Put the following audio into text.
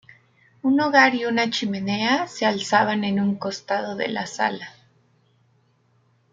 Un hogar y una chimenea se alzaban en un costado de la sala.